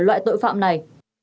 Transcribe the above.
loại tội phạm này